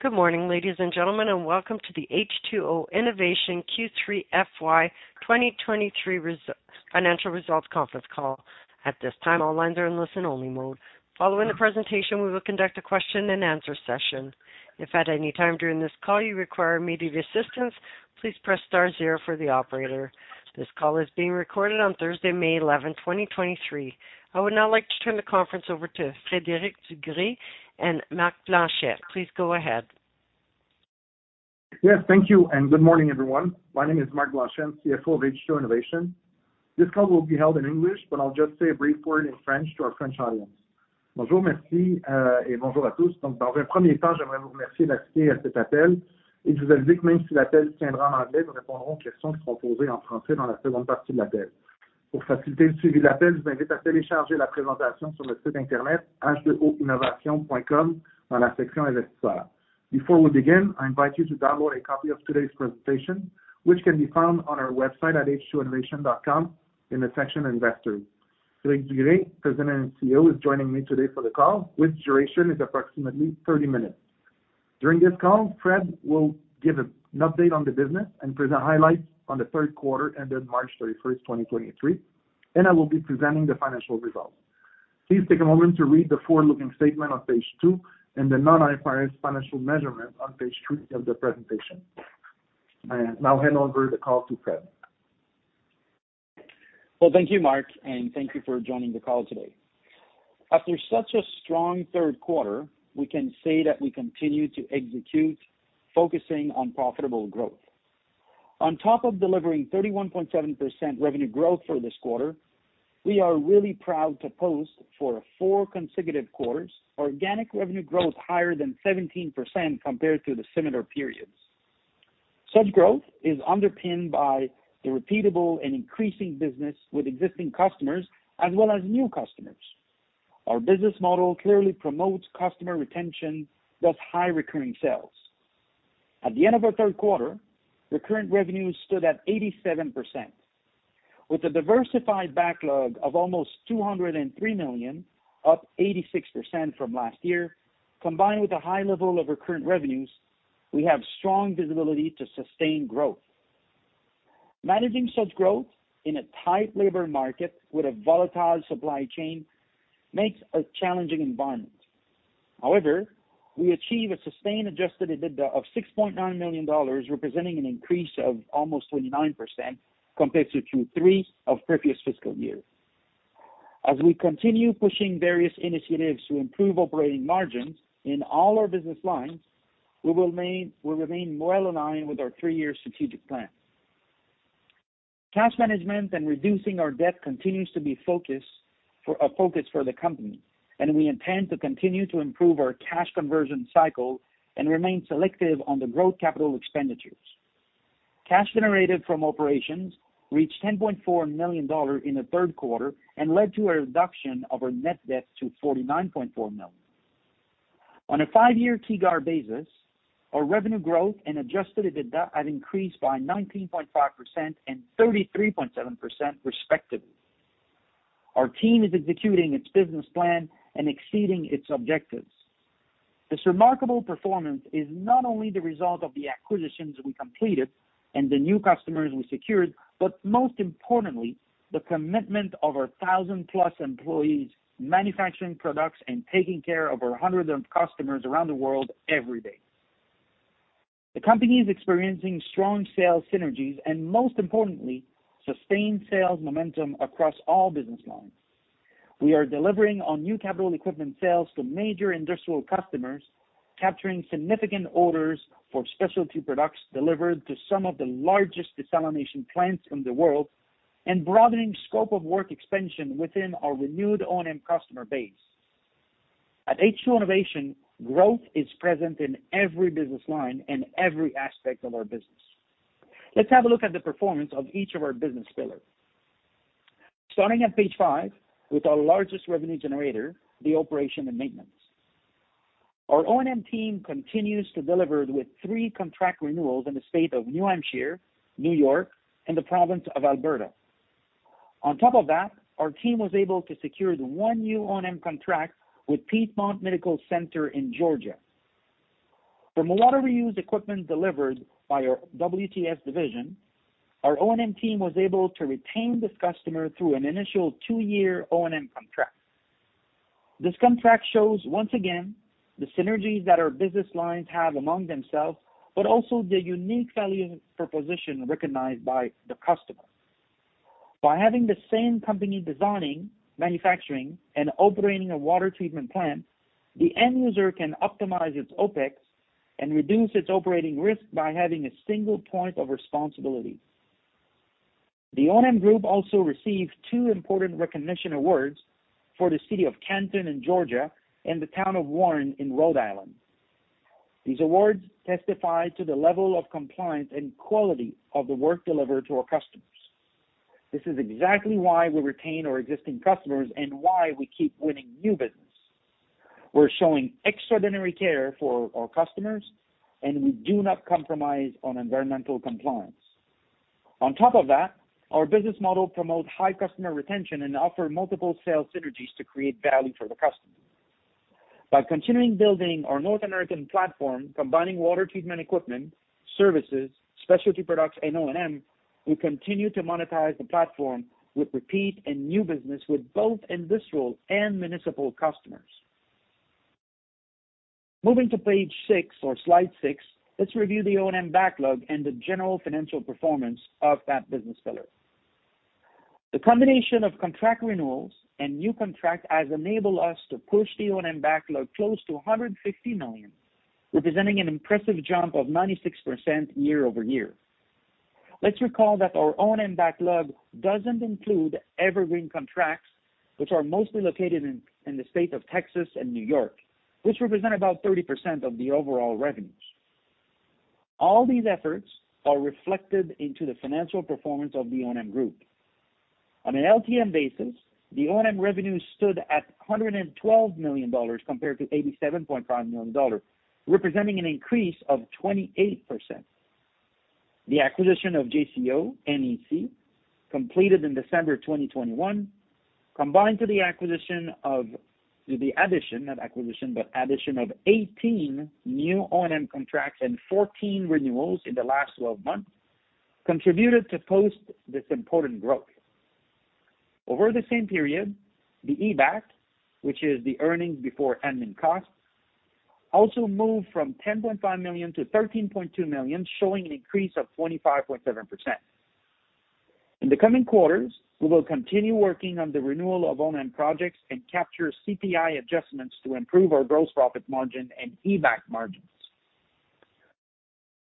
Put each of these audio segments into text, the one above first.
Good morning, ladies and gentlemen, welcome to the H2O Innovation Q3 FY 2023 financial results conference call. At this time, all lines are in listen-only mode. Following the presentation, we will conduct a question-and-answer session. If at any time during this call you require immediate assistance, please press star zero for the operator. This call is being recorded on Thursday, May eleventh, twenty twenty-three. I would now like to turn the conference over to Frédéric Dugré and Marc Blanchet. Please go ahead. Yes, thank you, and good morning, everyone. My name is Marc Blanchet, CFO of H2O Innovation. This call will be held in English, but I'll just say a brief word in French to our French audience. Before we begin, I invite you to download a copy of today's presentation, which can be found on our website at h2oinnovation.com in the section investors. Frédéric Dugré, president and CEO, is joining me today for the call, which duration is approximately 30 minutes. During this call, Fred will give an update on the business and present highlights on the third quarter ended March 31st, 2023, and I will be presenting the financial results. Please take a moment to read the forward-looking statement on page two and the non-IFRS financial measurements on page three of the presentation. I now hand over the call to Fred. Well, thank you, Marc, thank you for joining the call today. After such a strong third quarter, we can say that we continue to execute, focusing on profitable growth. On top of delivering 31.7% revenue growth for this quarter, we are really proud to post for a four consecutive quarters organic revenue growth higher than 17% compared to the similar periods. Such growth is underpinned by the repeatable and increasing business with existing customers as well as new customers. Our business model clearly promotes customer retention, thus high recurring sales. At the end of our third quarter, the current revenues stood at 87%. With a diversified backlog of almost 203 million, up 86% from last year, combined with a high level of recurrent revenues, we have strong visibility to sustain growth. Managing such growth in a tight labor market with a volatile supply chain makes a challenging environment. We achieve a sustained adjusted EBITDA of 6.9 million dollars, representing an increase of almost 29% compared to Q3 of previous fiscal year. As we continue pushing various initiatives to improve operating margins in all our business lines, we remain well aligned with our three-year strategic plan. Cash management and reducing our debt continues to be a focus for the company, and we intend to continue to improve our cash conversion cycle and remain selective on the growth capital expenditures. Cash generated from operations reached 10.4 million dollar in the third quarter and led to a reduction of our net debt to 49.4 million. On a 5-year CAGR basis, our revenue growth and adjusted EBITDA have increased by 19.5% and 33.7% respectively. Our team is executing its business plan and exceeding its objectives. This remarkable performance is not only the result of the acquisitions we completed and the new customers we secured, but most importantly, the commitment of our 1,000+ employees manufacturing products and taking care of our hundreds of customers around the world every day. The company is experiencing strong sales synergies and, most importantly, sustained sales momentum across all business lines. We are delivering on new capital equipment sales to major industrial customers, capturing significant orders for specialty products delivered to some of the largest desalination plants in the world and broadening scope of work expansion within our renewed O&M customer base. At H2O Innovation, growth is present in every business line and every aspect of our business. Let's have a look at the performance of each of our business pillars. Starting at page five with our largest revenue generator, the operation and maintenance. Our O&M team continues to deliver with three contract renewals in the state of New Hampshire, New York and the province of Alberta. On top of that, our team was able to secure the 1 new O&M contract with Piedmont Medical Center in Georgia. From water reuse equipment delivered by our WTS division, our O&M team was able to retain this customer through an initial 2-year O&M contract. This contract shows once again the synergies that our business lines have among themselves, but also the unique value proposition recognized by the customer. By having the same company designing, manufacturing and operating a water treatment plant, the end user can optimize its OpEx and reduce its operating risk by having a single point of responsibility. The O&M group also received two important recognition awards for the city of Canton in Georgia and the town of Warren in Rhode Island. These awards testify to the level of compliance and quality of the work delivered to our customers. This is exactly why we retain our existing customers and why we keep winning new business. We're showing extraordinary care for our customers, and we do not compromise on environmental compliance. On top of that, our business model promotes high customer retention and offer multiple sales synergies to create value for the customer. By continuing building our North American platform, combining water treatment equipment, services, specialty products, and O&M, we continue to monetize the platform with repeat and new business with both industrial and municipal customers. Moving to page six or slide six, let's review the O&M backlog and the general financial performance of that business pillar. The combination of contract renewals and new contract has enabled us to push the O&M backlog close to 150 million, representing an impressive jump of 96% year-over-year. Let's recall that our O&M backlog doesn't include evergreen contracts, which are mostly located in the state of Texas and New York, which represent about 30% of the overall revenues. All these efforts are reflected into the financial performance of the O&M group. On an LTM basis, the O&M revenue stood at 112 million dollars compared to 87.5 million dollars, representing an increase of 28%. The acquisition of JCO NEC, completed in December 2021, combined to the addition, not acquisition, but addition of 18 new O&M contracts and 14 renewals in the last 12 months, contributed to post this important growth. Over the same period, the EBAC, which is the earnings before admin costs, also moved from 10.5 million to 13.2 million, showing an increase of 25.7%. In the coming quarters, we will continue working on the renewal of O&M projects and capture CPI adjustments to improve our gross profit margin and EBAC margins.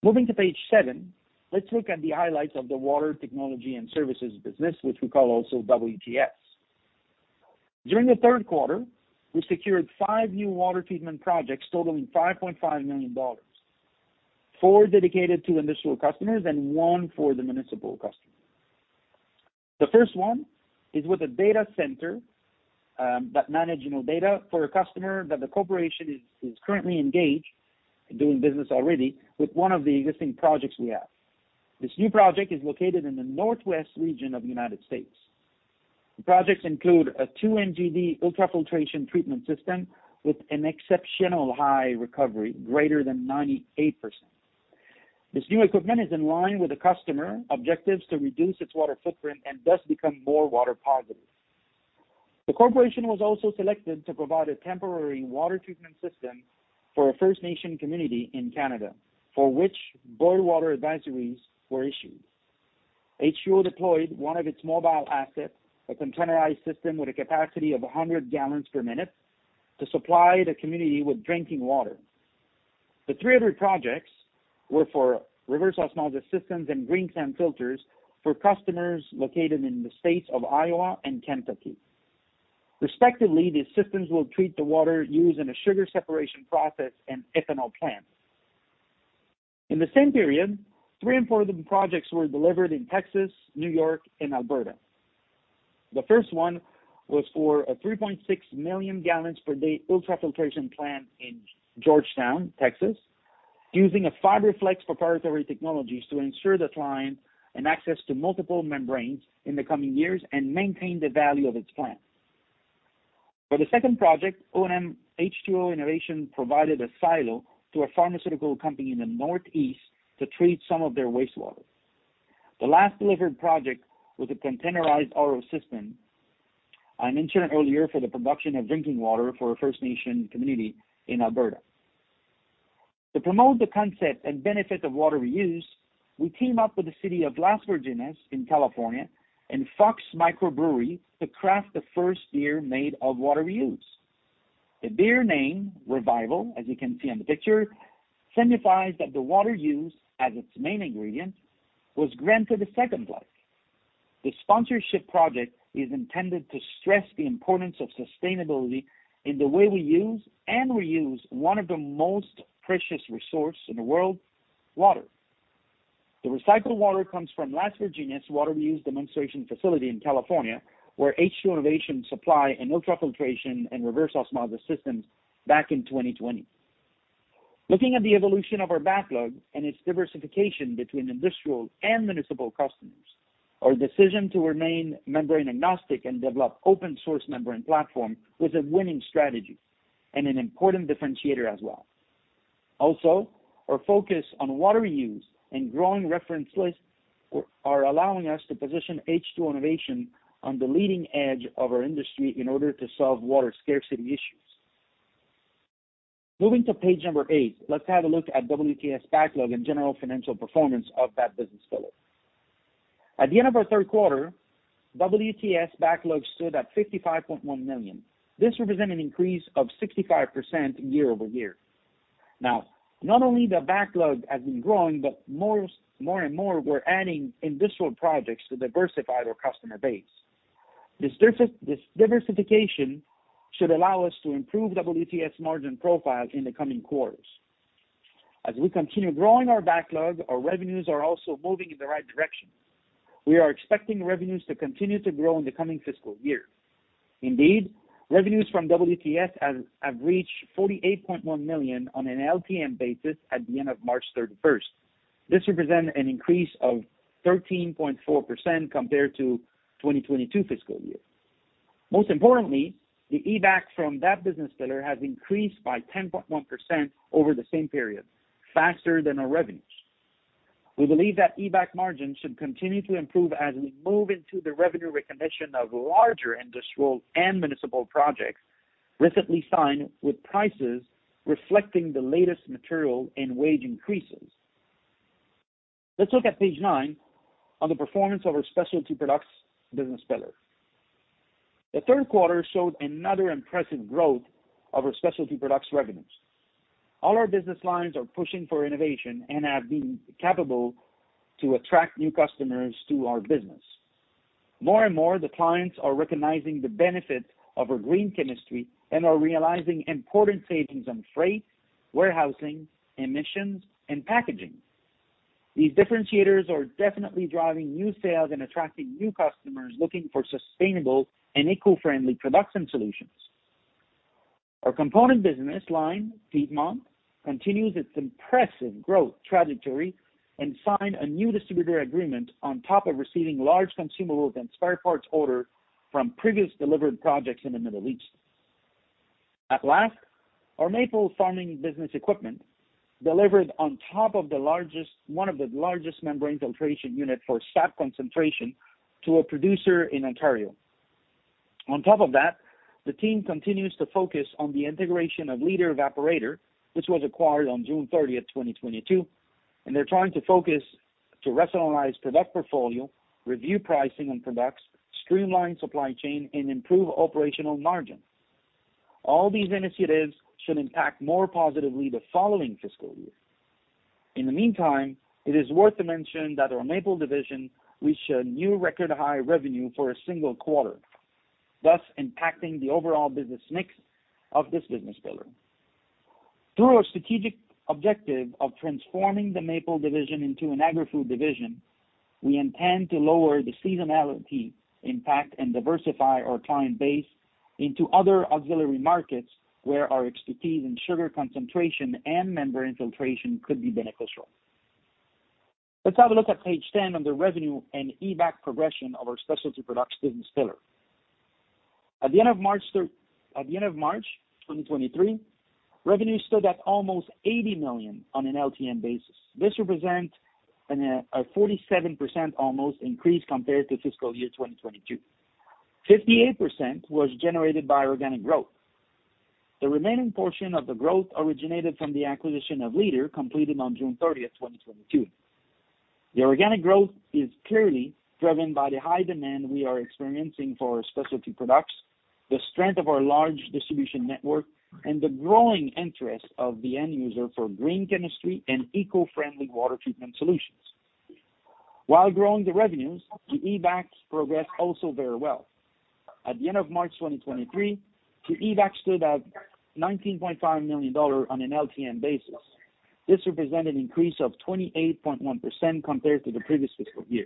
Moving to page seven, let's look at the highlights of the Water Technology and Services business, which we call also WTS. During the third quarter, we secured five new water treatment projects totaling 5.5 million dollars. Four dedicated to industrial customers and one for the municipal customer. The first one is with a data center that manages data for a customer that the corporation is currently engaged, doing business already, with one of the existing projects we have. This new project is located in the northwest region of the United States. The projects include a 2 MGD ultrafiltration treatment system with an exceptional high recovery, greater than 98%. This new equipment is in line with the customer objectives to reduce its water footprint and thus become more water positive. The corporation was also selected to provide a temporary water treatment system for a First Nation community in Canada, for which boil water advisories were issued. H2O deployed one of its mobile assets, a containerized system with a capacity of 100 gallons per minute, to supply the community with drinking water. The three other projects were for reverse osmosis systems and green sand filters for customers located in the states of Iowa and Kentucky. Respectively, these systems will treat the water used in a sugar separation process and ethanol plant. In the same period, three important projects were delivered in Texas, New York, and Alberta. The first one was for a 3.6 million gallons per day ultrafiltration plant in Georgetown, Texas, using a FiberFlex proprietary technologies to ensure the client an access to multiple membranes in the coming years and maintain the value of its plant. For the second project, O&M H2O Innovation provided a silo to a pharmaceutical company in the Northeast to treat some of their wastewater. The last delivered project was a containerized RO system I mentioned earlier for the production of drinking water for a First Nation community in Alberta. To promote the concept and benefit of water reuse, we team up with the city of Las Virgenes in California and Fox City Brewing to craft the first beer made of water reuse. The beer name, Revival, as you can see on the picture, signifies that the water used as its main ingredient was granted a second life. The sponsorship project is intended to stress the importance of sustainability in the way we use and reuse one of the most precious resource in the world, water. The recycled water comes from Las Virgenes Water Reuse Demonstration Facility in California, where H2O Innovation supply an ultrafiltration and reverse osmosis systems back in 2020. Looking at the evolution of our backlog and its diversification between industrial and municipal customers, our decision to remain membrane agnostic and develop open source membrane platform was a winning strategy and an important differentiator as well. Our focus on water reuse and growing reference lists are allowing us to position H2O Innovation on the leading edge of our industry in order to solve water scarcity issues. Moving to page number eight, let's have a look at WTS backlog and general financial performance of that business pillar. At the end of our third quarter, WTS backlog stood at 55.1 million. This represent an increase of 65% year-over-year. Not only the backlog has been growing, but more and more we're adding industrial projects to diversify their customer base. This diversification should allow us to improve WTS margin profile in the coming quarters. As we continue growing our backlog, our revenues are also moving in the right direction. We are expecting revenues to continue to grow in the coming fiscal year. Revenues from WTS have reached 48.1 million on an LTM basis at the end of March thirty-first. This represent an increase of 13.4% compared to 2022 fiscal year. Most importantly, the EBAC from that business pillar has increased by 10.1% over the same period, faster than our revenues. We believe that EBAC margin should continue to improve as we move into the revenue recognition of larger industrial and municipal projects recently signed with prices reflecting the latest material and wage increases. Let's look at page nine on the performance of our specialty products business pillar. The third quarter showed another impressive growth of our specialty products revenues. All our business lines are pushing for innovation and have been capable to attract new customers to our business. More and more, the clients are recognizing the benefit of our green chemistry and are realizing important savings on freight, warehousing, emissions, and packaging. These differentiators are definitely driving new sales and attracting new customers looking for sustainable and eco-friendly production solutions. Our component business line, Piedmont, continues its impressive growth trajectory and signed a new distributor agreement on top of receiving large consumables and spare parts order from previous delivered projects in the Middle East. At last, our maple farming business equipment delivered on top of one of the largest membrane filtration unit for sap concentration to a producer in Ontario. On top of that, the team continues to focus on the integration of LEADER Evaporator, which was acquired on June 30th, 2022, and they're trying to focus to rationalize product portfolio, review pricing on products, streamline supply chain, and improve operational margin. All these initiatives should impact more positively the following fiscal year. In the meantime, it is worth to mention that our maple division reached a new record high revenue for a single quarter, thus impacting the overall business mix of this business pillar. Through our strategic objective of transforming the maple division into an agri-food division, we intend to lower the seasonality impact and diversify our client base into other auxiliary markets where our expertise in sugar concentration and membrane filtration could be beneficial. Let's have a look at Page 10 on the revenue and EBAC progression of our specialty products business pillar. At the end of March 2023, revenue stood at almost 80 million on an LTM basis. This represent a 47% almost increase compared to fiscal year 2022. 58% was generated by organic growth. The remaining portion of the growth originated from the acquisition of LEADER, completed on June 30, 2022. The organic growth is clearly driven by the high demand we are experiencing for our specialty products, the strength of our large distribution network, and the growing interest of the end user for green chemistry and eco-friendly water treatment solutions. While growing the revenues, the EBAC progressed also very well. At the end of March 2023, the EBAC stood at 19.5 million dollar on an LTM basis. This represent an increase of 28.1% compared to the previous fiscal year.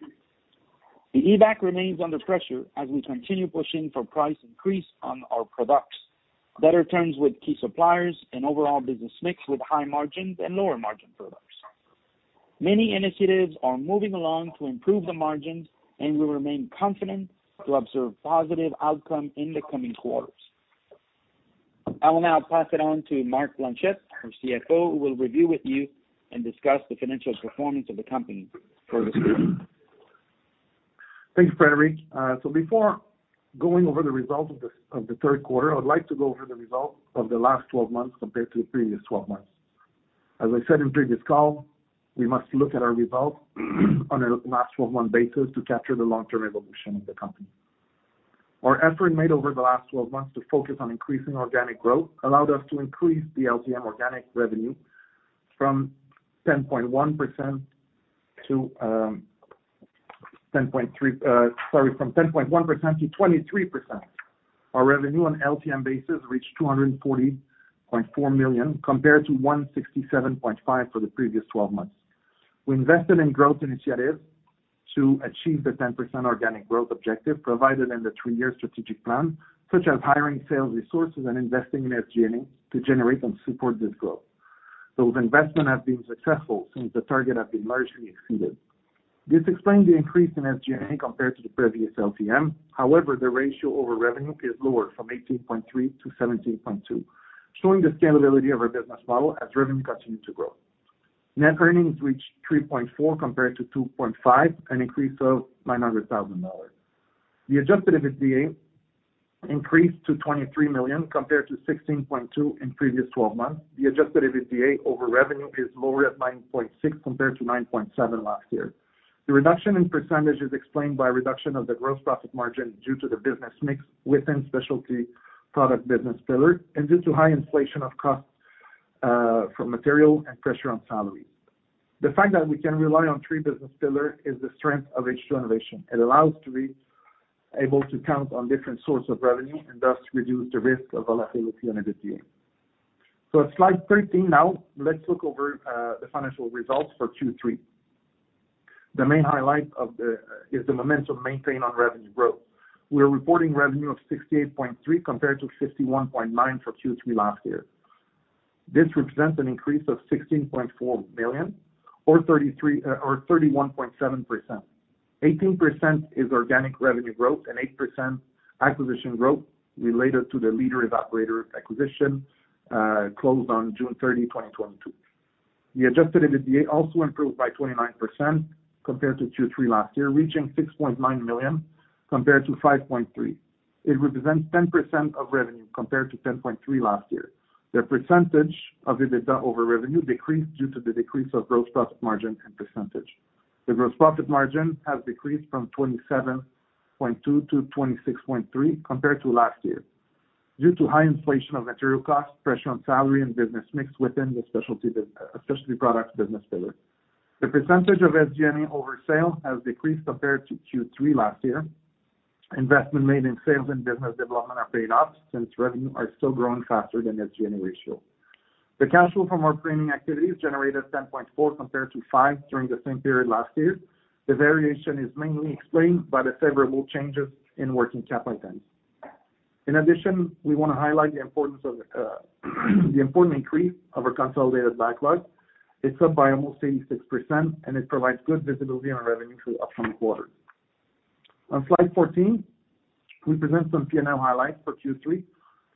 The EBAC remains under pressure as we continue pushing for price increase on our products, better terms with key suppliers and overall business mix with high margins and lower margin products. Many initiatives are moving along to improve the margins. We remain confident to observe positive outcome in the coming quarters. I will now pass it on to Marc Blanchet, our CFO, who will review with you and discuss the financial performance of the company for this quarter. Thanks, Frederic. Before going over the results of the third quarter, I would like to go over the results of the last 12 months compared to the previous 12 months. As I said in previous call, we must look at our results on a last 12 month basis to capture the long-term evolution of the company. Our effort made over the last 12 months to focus on increasing organic growth allowed us to increase the LTM organic revenue from 10.1%-%10.3... sorry, from 10.1%-23%. Our revenue on LTM basis reached 240.4 million compared to 167.5 million for the previous 12 months. We invested in growth initiatives to achieve the 10% organic growth objective provided in the three-year strategic plan, such as hiring sales resources and investing in SG&A to generate and support this growth. Those investment have been successful since the target have been largely exceeded. This explains the increase in SG&A compared to the previous LTM. However, the ratio over revenue is lower from 18.3-17.2, showing the scalability of our business model as revenue continue to grow. Net earnings reached 3.4 million compared to 2.5 million, an increase of 900,000 dollars. The adjusted EBITDA increased to 23 million compared to 16.2 million in previous 12 months. The adjusted EBITDA over revenue is lower at 9.6% compared to 9.7% last year. The reduction in % is explained by reduction of the gross profit margin due to the business mix within specialty product business pillar and due to high inflation of cost for material and pressure on salaries. The fact that we can rely on three business pillar is the strength of H2 Innovation. It allows to be able to count on different source of revenue and thus reduce the risk of volatility on EBITDA. At Slide 13 now, let's look over the financial results for Q3. The main highlight is the momentum maintained on revenue growth. We are reporting revenue of 68.3 compared to 61.9 for Q3 last year. This represents an increase of 16.4 million or 31.7%. 18% is organic revenue growth and 8% acquisition growth related to the LEADER Evaporator acquisition, closed on June 30, 2022. The adjusted EBITDA also improved by 29% compared to Q3 last year, reaching 6.9 million compared to 5.3 million. It represents 10% of revenue compared to 10.3% last year. The percentage of EBITDA over revenue decreased due to the decrease of gross profit margin and percentage. The gross profit margin has decreased from 27.2% to 26.3% compared to last year due to high inflation of material costs, pressure on salary and business mix within the specialty products business pillar. The percentage of SG&A over sale has decreased compared to Q3 last year. Investment made in sales and business development have paid off since revenue are still growing faster than SG&A ratio. The cash flow from our training activities generated 10.4 million compared to 5 million during the same period last year. The variation is mainly explained by the favorable changes in working capital items. In addition, we wanna highlight the importance of the important increase of our consolidated backlog. It's up by almost 86%, and it provides good visibility on revenue for upcoming quarters. On Slide 14, we present some P&L highlights for Q3.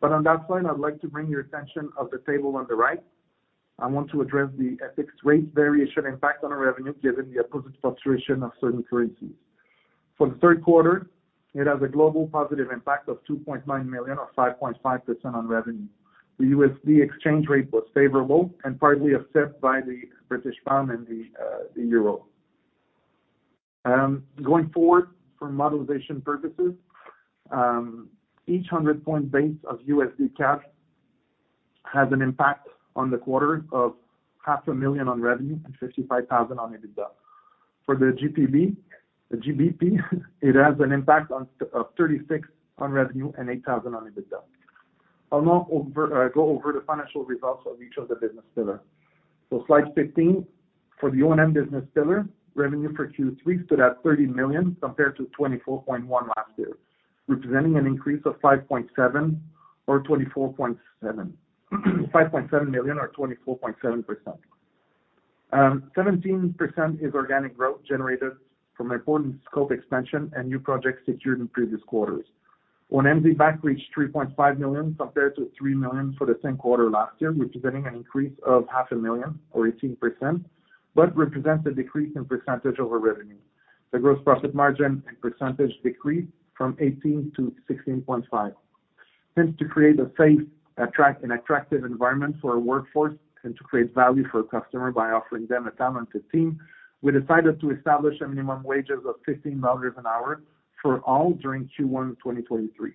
On that slide, I'd like to bring your attention of the table on the right. I want to address the FX rate variation impact on our revenue given the opposite fluctuation of certain currencies. For the third quarter, it has a global positive impact of 2.9 million or 5.5% on revenue. The USD exchange rate was favorable and partly offset by the British pound and the euro. Going forward for modelization purposes, each 100 basis points of USD cash has an impact on the quarter of half a million on revenue and $55,000 on EBITDA. For the GBP, it has an impact of 36 on revenue and 8,000 on EBITDA. I'll now go over the financial results of each of the business pillar. Slide 15, for the O&M business pillar, revenue for Q3 stood at $30 million compared to $24.1 million last year, representing an increase of $5.7 million or 24.7%. $5.7 million or 24.7%. 17% is organic growth generated from important scope expansion and new projects secured in previous quarters. O&M EBITDA reached 3.5 million compared to 3 million for the same quarter last year, representing an increase of half a million or 18%. It represents a decrease in percentage over revenue. The gross profit margin and percentage decreased from 18%-16.5%. To create a safe, an attractive environment for our workforce and to create value for our customer by offering them a talented team, we decided to establish a minimum wages of $15 an hour for all during Q1 2023.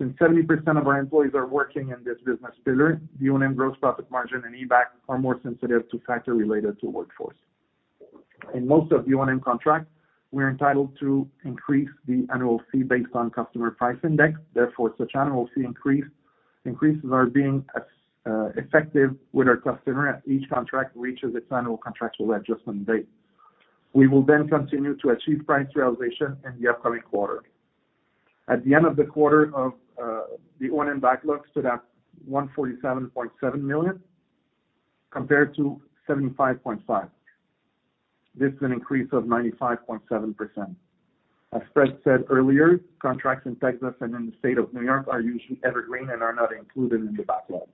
70% of our employees are working in this business pillar, the O&M gross profit margin and EBITDA are more sensitive to factor related to workforce. In most of O&M contracts, we are entitled to increase the annual fee based on customer price index. Such annual fee increases are being as effective with our customer as each contract reaches its annual contractual adjustment date. We will continue to achieve price realization in the upcoming quarter. At the end of the quarter, the O&M backlog stood at 147.7 million, compared to 75.5. This is an increase of 95.7%. As Fred said earlier, contracts in Texas and in the state of New York are usually evergreen and are not included in the backlog.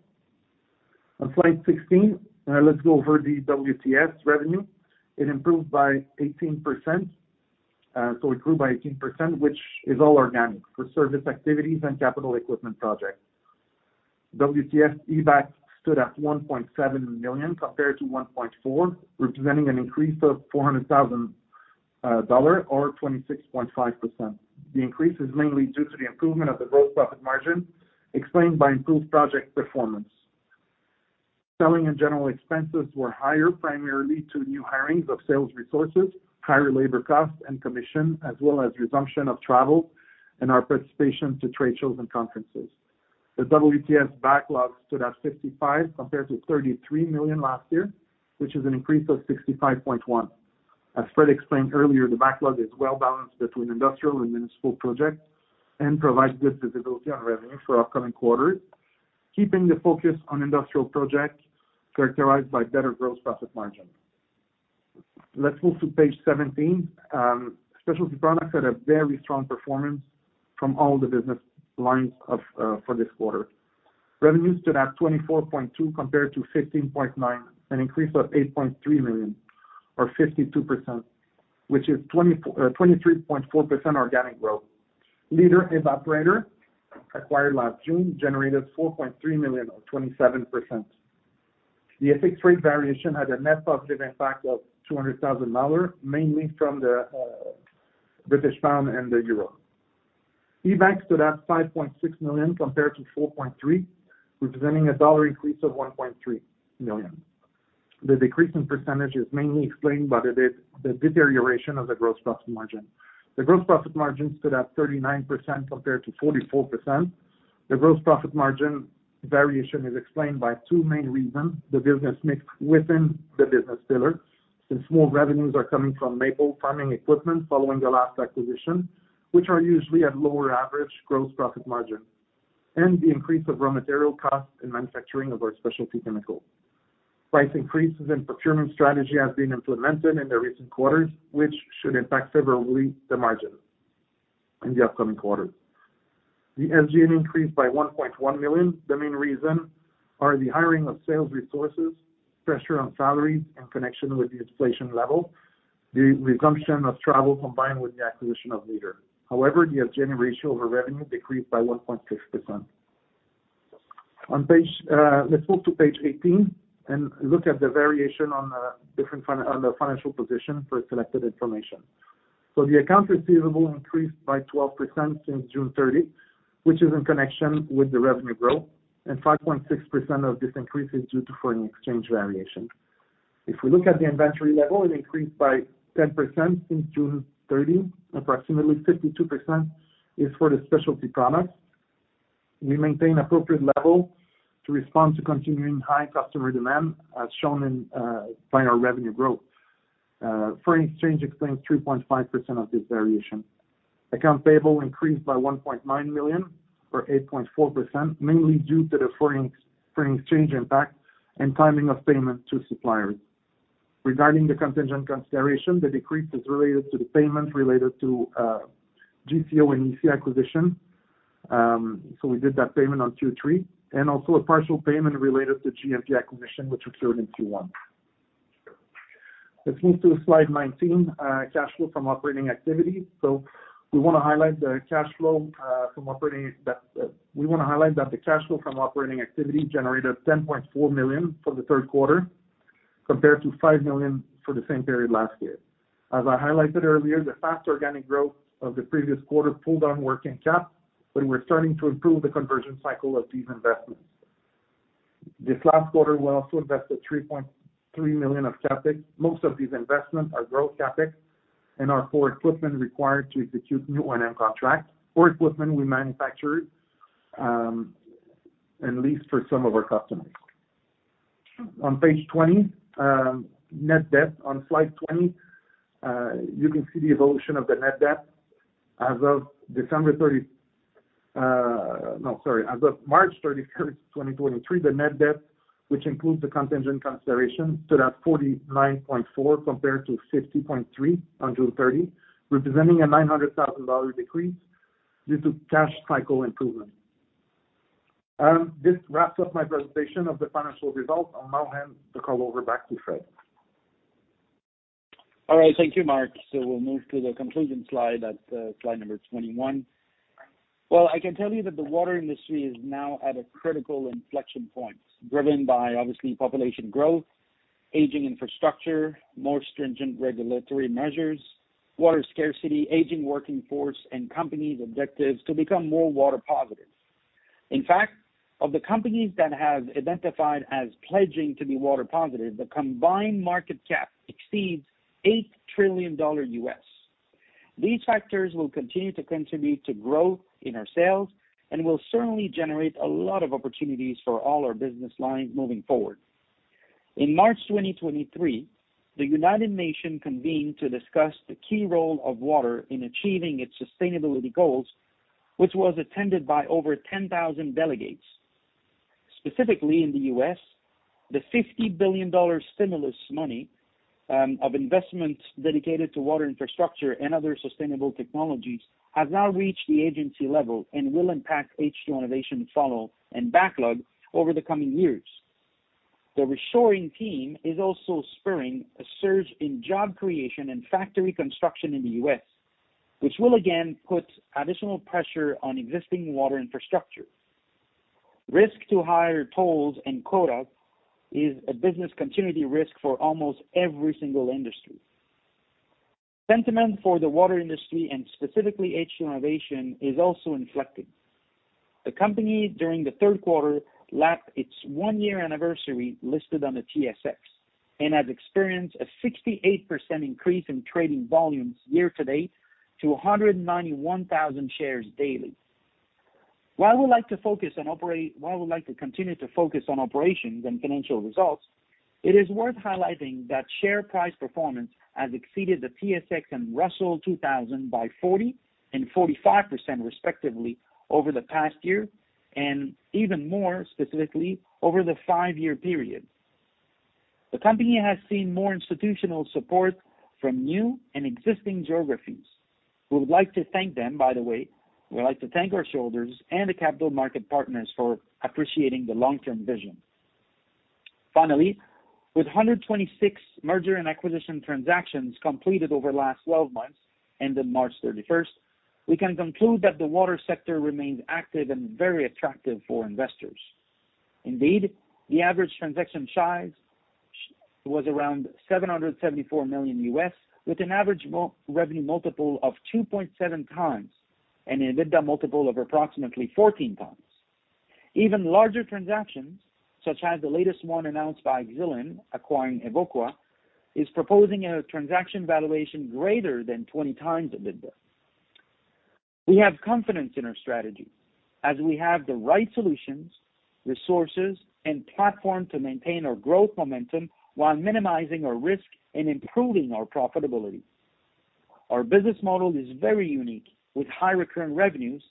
On Slide 16, let's go over the WTS revenue. It improved by 18%. It grew by 18%, which is all organic for service activities and capital equipment projects. WTS EBITDA stood at 1.7 million compared to 1.4 million, representing an increase of 400,000 dollar or 26.5%. The increase is mainly due to the improvement of the gross profit margin explained by improved project performance. Selling and general expenses were higher primarily to new hirings of sales resources, higher labor costs and commission, as well as resumption of travel and our participation to trade shows and conferences. The WTS backlog stood at 55 million compared to 33 million last year, which is an increase of 65.1%. As Fred explained earlier, the backlog is well-balanced between industrial and municipal projects and provides good visibility on revenue for upcoming quarters, keeping the focus on industrial projects characterized by better gross profit margin. Let's move to Page 17. Specialty products had a very strong performance from all the business lines for this quarter. Revenue stood at 24.2 million compared to 15.9 million, an increase of 8.3 million or 52%, which is 23.4% organic growth. LEADER Evaporator Co., Inc., acquired last June, generated 4.3 million or 27%. The FX rate variation had a net positive impact of 200,000 dollar, mainly from the British pound and the euro. EBITDA stood at 5.6 million compared to 4.3 million, representing a dollar increase of 1.3 million. The decrease in percentage is mainly explained by the deterioration of the gross profit margin. The gross profit margin stood at 39% compared to 44%. The gross profit margin variation is explained by two main reasons. The business mix within the business pillar, since more revenues are coming from maple farming equipment following the last acquisition, which are usually at lower average gross profit margin, and the increase of raw material costs and manufacturing of our specialty chemicals. Price increases and procurement strategy has been implemented in the recent quarters, which should impact favorably the margin in the upcoming quarters. The SG&A increased by $1.1 million. The main reason are the hiring of sales resources, pressure on salaries in connection with the inflation level, the resumption of travel combined with the acquisition of LEADER. The SG&A ratio of our revenue decreased by 1.6%. On page, let's move to Page 18 and look at the variation on the financial position for selected information. The accounts receivable increased by 12% since June 30th, which is in connection with the revenue growth, and 5.6% of this increase is due to foreign exchange variation. If we look at the inventory level, it increased by 10% since June 30th. Approximately 52% is for the specialty products. We maintain appropriate level to respond to continuing high customer demand, as shown in by our revenue growth. Foreign exchange explains 3.5% of this variation. Account payable increased by 1.9 million or 8.4%, mainly due to the foreign exchange impact and timing of payment to suppliers. Regarding the contingent consideration, the decrease is related to the payment related to JCO and EC acquisition. We did that payment on Q3, and also a partial payment related to GMT acquisition, which occurred in Q1. Let's move to Slide 19, cash flow from operating activity. We wanna highlight that the cash flow from operating activity generated 10.4 million for the third quarter, compared to 5 million for the same period last year. As I highlighted earlier, the fast organic growth of the previous quarter pulled on working cap, but we're starting to improve the conversion cycle of these investments. This last quarter, we also invested 3.3 million of CapEx. Most of these investments are growth CapEx and are for equipment required to execute new O&M contracts. For equipment, we manufacture it, at least for some of our customers. On Page 20, net debt. On Slide 20, you can see the evolution of the net debt. As of December 30th. No, sorry. As of March 31, 2023, the net debt, which includes the contingent consideration, stood at 49.4 million compared to 50.3 million on June 30, representing a 900,000 dollar decrease due to cash cycle improvement. This wraps up my presentation of the financial results. I'll now hand the call over back to Fred. All right. Thank you, Marc. We'll move to the conclusion slide at slide number 21. I can tell you that the water industry is now at a critical inflection point, driven by obviously population growth, aging infrastructure, more stringent regulatory measures, water scarcity, aging working force, and companies' objectives to become more water positive. In fact, of the companies that have identified as pledging to be water positive, the combined market cap exceeds $8 trillion. These factors will continue to contribute to growth in our sales and will certainly generate a lot of opportunities for all our business lines moving forward. In March 2023, the United Nations convened to discuss the key role of water in achieving its sustainability goals, which was attended by over 10,000 delegates. Specifically in the U.S., the $50 billion stimulus money of investments dedicated to water infrastructure and other sustainable technologies has now reached the agency level and will impact H2O Innovation follow and backlog over the coming years. The reshoring trend is also spurring a surge in job creation and factory construction in the U.S., which will again put additional pressure on existing water infrastructure. Risk to higher tolls and quota is a business continuity risk for almost every single industry. Sentiment for the water industry and specifically H2O Innovation is also inflecting. The company, during the third quarter, marked its one-year anniversary listed on the TSX and has experienced a 68% increase in trading volumes year-to-date to 191,000 shares daily. While we like to continue to focus on operations and financial results, it is worth highlighting that share price performance has exceeded the TSX and Russell 2000 by 40% and 45% respectively over the past year, and even more specifically over the 5-year period. The company has seen more institutional support from new and existing geographies. We would like to thank them, by the way. We would like to thank our shareholders and the capital market partners for appreciating the long-term vision. Finally, with 126 merger and acquisition transactions completed over the last 12 months, ending March 31st, we can conclude that the water sector remains active and very attractive for investors. Indeed, the average transaction size was around $774 million U.S., with an average mo-revenue multiple of 2.7x and a EBITDA multiple of approximately 14x. Even larger transactions, such as the latest one announced by Xylem acquiring Evoqua, is proposing a transaction valuation greater than 20x EBITDA. We have confidence in our strategy as we have the right solutions, resources, and platform to maintain our growth momentum while minimizing our risk and improving our profitability. Our business model is very unique, with high recurring revenues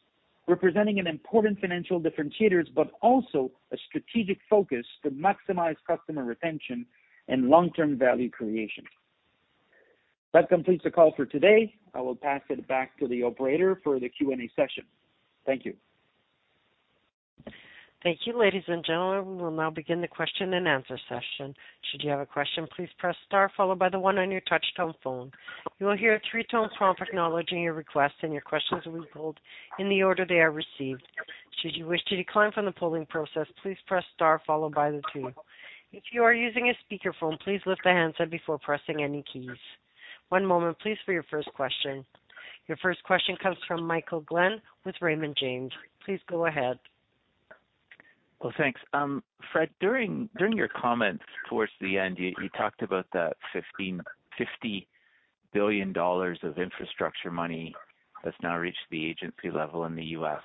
representing an important financial differentiators, but also a strategic focus to maximize customer retention and long-term value creation. That completes the call for today. I will pass it back to the operator for the Q&A session. Thank you. Thank you. Ladies and gentlemen, we will now begin the question-and-answer session. Should you have a question, please press star followed by the one on your touch-tone phone. You will hear a three-tone prompt acknowledging your request, and your questions will be pulled in the order they are received. Should you wish to decline from the polling process, please press star followed by the two. If you are using a speakerphone, please lift the handset before pressing any keys. One moment please for your first question. Your first question comes from Michael Glen with Raymond James. Please go ahead. Well, thanks. Fred, during your comments towards the end, you talked about that $50 billion of infrastructure money that's now reached the agency level in the U.S.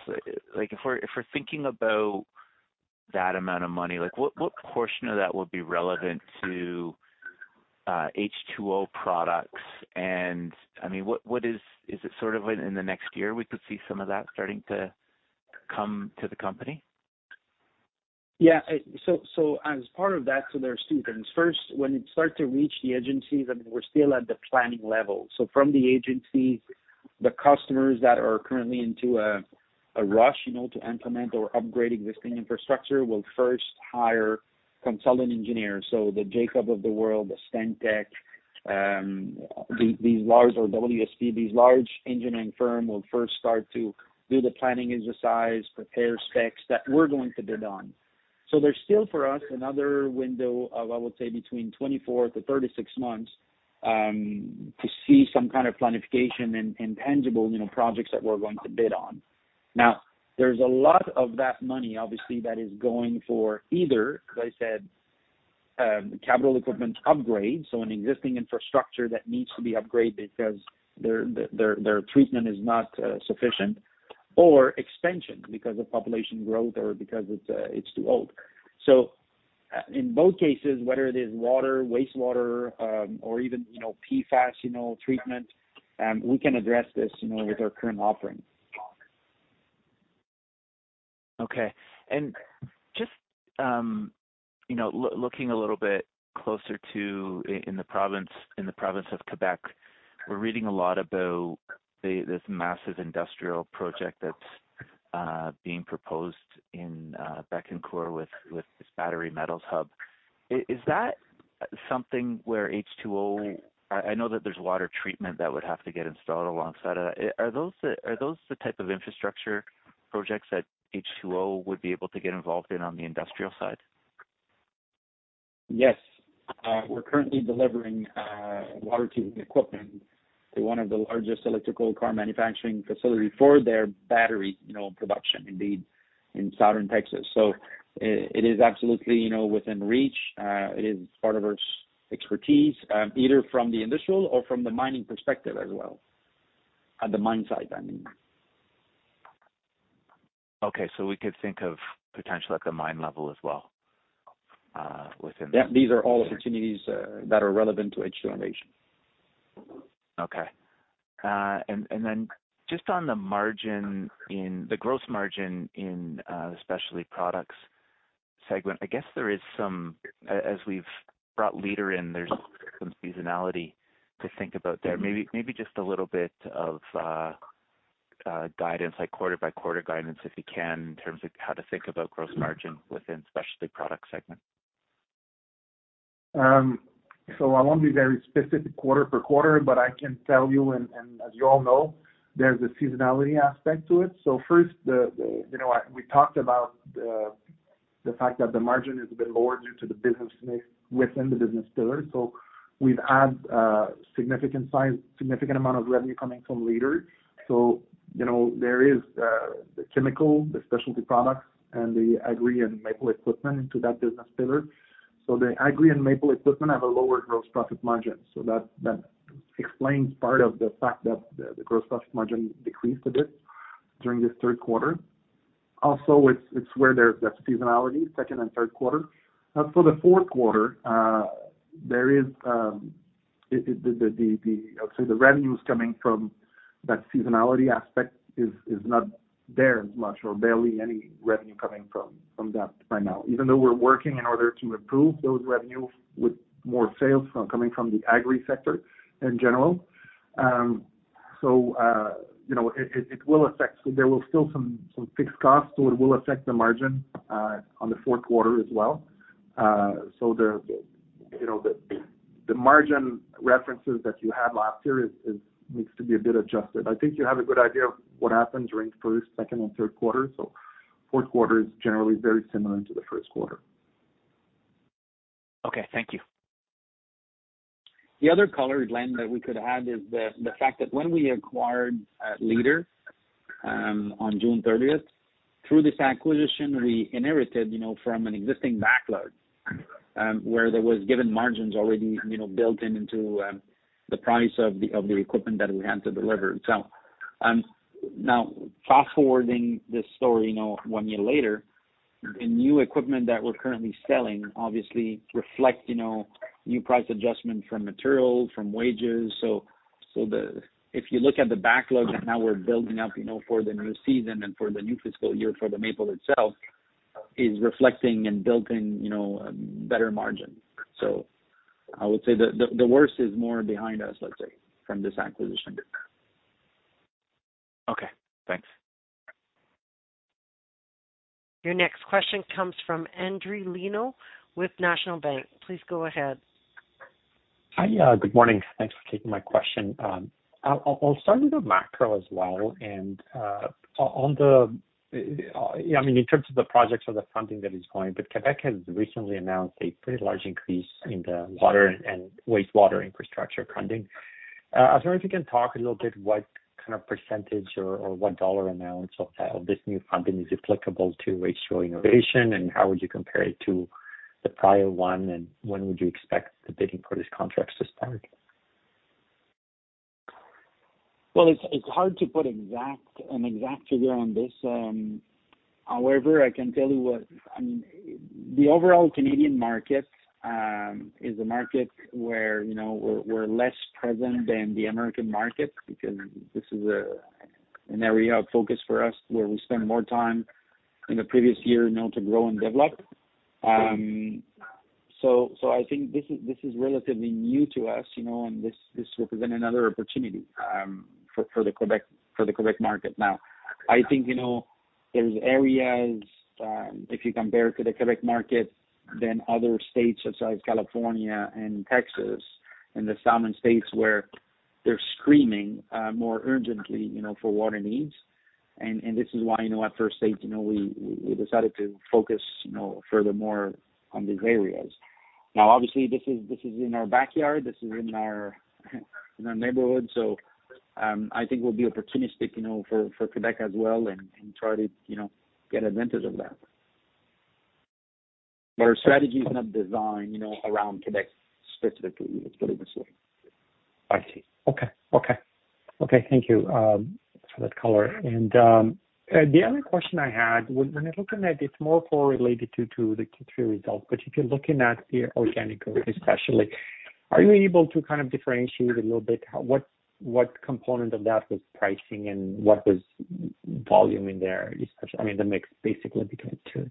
Like if we're thinking about that amount of money, what portion of that would be relevant to H2O products? I mean, is it sort of in the next year we could see some of that starting to come to the company? Yeah. As part of that, there are two things. First, when it starts to reach the agencies, I mean, we're still at the planning level. From the agencies, the customers that are currently into a rush, you know, to implement or upgrade existing infrastructure will first hire consultant engineers. The Jacobs of the world, the Stantec, these large or WSP, these large engineering firm will first start to do the planning exercise, prepare specs that we're going to bid on. There's still, for us, another window of, I would say, between 24 months-36 months to see some kind of planification and tangible, you know, projects that we're going to bid on. There's a lot of that money, obviously, that is going for either, as I said, capital equipment upgrades, so an existing infrastructure that needs to be upgraded because their treatment is not sufficient or expansion because of population growth or because it's too old. In both cases, whether it is water, wastewater, or even, you know, PFAS, you know, treatment, we can address this, you know, with our current offerings. Okay. Just, you know, looking a little bit closer to in the province, in the province of Quebec, we're reading a lot about this massive industrial project that's being proposed in Bécancour with this battery metals hub. Is that something where H2O? I know that there's water treatment that would have to get installed alongside of that. Are those the type of infrastructure projects that H2O would be able to get involved in on the industrial side? Yes. We're currently delivering, water treatment equipment to one of the largest electrical car manufacturing facility for their battery, you know, production indeed in southern Texas. It is absolutely, you know, within reach. It is part of our expertise, either from the industrial or from the mining perspective as well. At the mine site, I mean. Okay. We could think of potential at the mine level as well. Yeah. These are all opportunities, that are relevant to H2O Innovation. Okay. Then just on the margin the gross margin in the Specialty Products segment, I guess there is some as we've brought LEADER in, there's some seasonality to think about there. Maybe just a little bit of guidance, like quarter by quarter guidance, if you can, in terms of how to think about gross margin within Specialty Products segment. I won't be very specific quarter for quarter, but I can tell you and as you all know, there's a seasonality aspect to it. First, you know, we talked about the fact that the margin is a bit lower due to the business mix within the business pillar. We've had significant amount of revenue coming from LEADERs. You know, there is the chemical, the specialty products, and the agri and maple equipment into that business pillar. The agri and maple equipment have a lower gross profit margin. That explains part of the fact that the gross profit margin decreased a bit during this third quarter. Also, it's where there's that seasonality, second and third quarter. The fourth quarter, there is the... I would say the revenues coming from that seasonality aspect is not there as much or barely any revenue coming from that right now. Even though we're working in order to improve those revenues with more sales coming from the agri sector in general. you know, it will affect. There will still some fixed costs, so it will affect the margin on the fourth quarter as well. the, you know, the margin references that you had last year is needs to be a bit adjusted. I think you have a good idea of what happened during first, second and third quarter. Fourth quarter is generally very similar to the first quarter. Okay. Thank you. The other colored lens that we could add is the fact that when we acquired LEADER, on June 30th, through this acquisition, we inherited, you know, from an existing backlog, where there was given margins already, you know, built into the price of the equipment that we had to deliver. Now fast-forwarding this story, you know, one year later, the new equipment that we're currently selling obviously reflect, you know, new price adjustment from materials, from wages. If you look at the backlog that now we're building up, you know, for the new season and for the new fiscal year for the maple itself, is reflecting and building, you know, better margins. I would say the worst is more behind us, let's say, from this acquisition. Okay. Thanks. Your next question comes from Endri Leno with National Bank. Please go ahead. Hi. Good morning. Thanks for taking my question. I'll start with the macro as well. I mean, in terms of the projects or the funding that is going, Quebec has recently announced a pretty large increase in the water and wastewater infrastructure funding. I was wondering if you can talk a little bit what kind of percentage or what dollar amount of this new funding is applicable to H2O Innovation, and how would you compare it to the prior one, and when would you expect the bidding for these contracts to start? Well, it's hard to put an exact figure on this. However, I can tell you what, I mean, the overall Canadian market is a market where, you know, we're less present than the American market because this is an area of focus for us where we spend more time in the previous year, you know, to grow and develop. I think this is relatively new to us, you know, and this represent another opportunity for the Quebec market. Now, I think, you know, there's areas, if you compare to the Quebec market than other states such as California and Texas and the southern states where they're screaming more urgently, you know, for water needs. This is why, you know, at first stage, you know, we decided to focus, you know, furthermore on these areas. Obviously, this is in our backyard, this is in our neighborhood. I think we'll be opportunistic, you know, for Quebec as well and try to, you know, get advantage of that. Our strategy is not designed, you know, around Quebec specifically, let's put it this way. I see. Okay. Okay. Okay, thank you for that color. The other question I had, when looking at it's more correlated to the Q3 results, but if you're looking at the organic growth especially, are you able to kind of differentiate a little bit what component of that was pricing and what was volume in there especially? I mean, the mix basically between the two.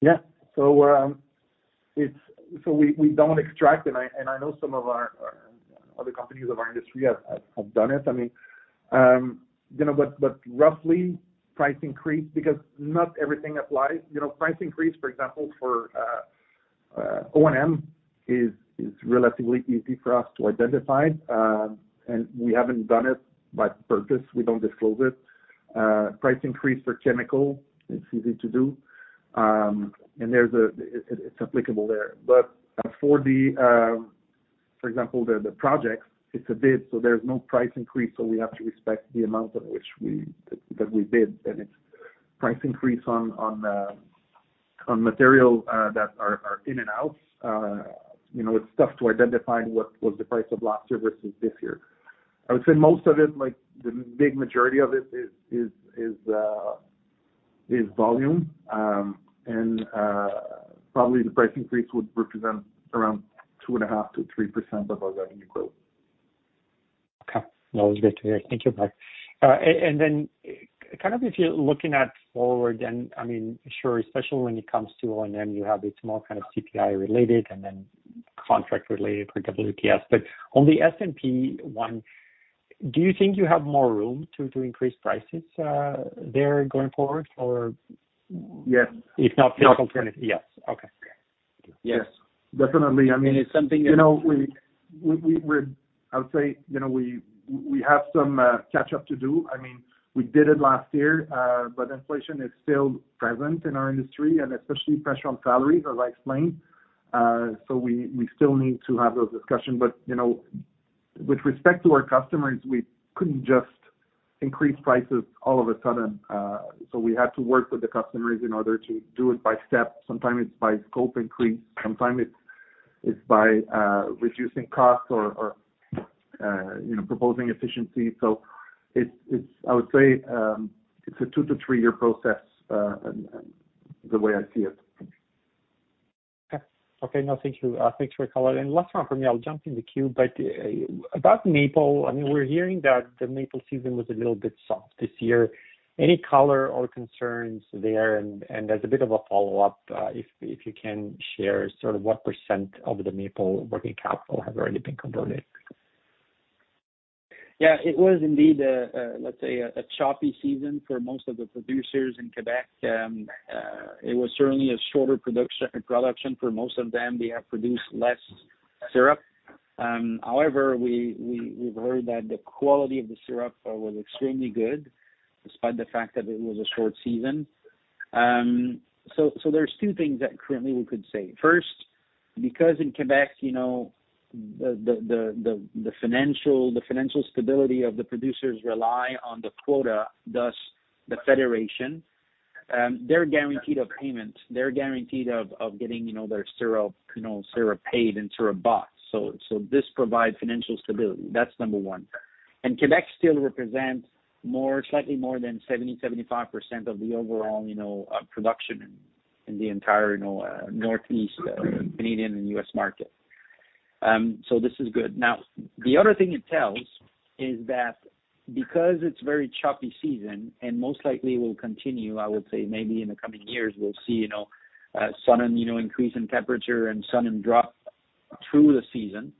Yeah. We don't extract, and I know some of our other companies of our industry have done it. I mean, you know, but roughly price increase because not everything applies. You know, price increase, for example, for O&M is relatively easy for us to identify, and we haven't done it by purpose. We don't disclose it. Price increase for chemical, it's easy to do. It's applicable there. For the, for example, the projects, it's a bid, so there's no price increase, so we have to respect the amount of which we that we bid. It's price increase on material that are in and out. You know, it's tough to identify what was the price of last year versus this year. I would say most of it, like, the big majority of it is volume. Probably the price increase would represent around 2.5%-3% of our revenue growth. Okay. That was great to hear. Thank you, Marc. Kind of if you're looking at forward, and I mean, sure, especially when it comes to O&M, you have it's more kind of CPI related and then contract related for WTS. On the S&P one, do you think you have more room to increase prices there going forward? Yes. If not- Yes. Okay. Yes. Definitely. I mean. It's something that. You know, we're I would say, you know, we have some catch up to do. I mean, we did it last year, but inflation is still present in our industry, and especially pressure on salaries, as I explained. We still need to have those discussions. You know, with respect to our customers, we couldn't just increase prices all of a sudden. We had to work with the customers in order to do it by step. Sometimes it's by scope increase, sometimes it's by reducing costs or, you know, proposing efficiency. It's I would say, it's a two to three-year process, the way I see it. Okay. Okay. No, thank you. Thanks for your color. Last one from me, I'll jump in the queue. About Maple, I mean, we're hearing that the Maple season was a little bit soft this year. Any color or concerns there? As a bit of a follow-up, if you can share sort of what % of the Maple working capital have already been converted. It was indeed a, let's say, a choppy season for most of the producers in Quebec. It was certainly a shorter production for most of them. They have produced less syrup. However, we've heard that the quality of the syrup was extremely good despite the fact that it was a short season. There's two things that currently we could say. First, because in Quebec, you know, the financial stability of the producers rely on the quota, thus the federation, they're guaranteed a payment. They're guaranteed of getting, you know, their syrup, you know, syrup paid and syrup bought. This provides financial stability. That's number one. Quebec still represents more, slightly more than 70%-75% of the overall, you know, production in the entire, you know, Northeast, Canadian and U.S. market. This is good. The other thing it tells is that because it's very choppy season, and most likely will continue, I would say maybe in the coming years we'll see, you know, sudden, you know, increase in temperature and sudden drop through the season,